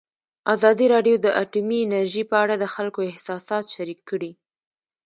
ازادي راډیو د اټومي انرژي په اړه د خلکو احساسات شریک کړي.